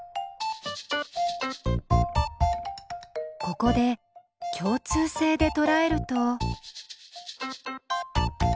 ここで共通性でとらえると。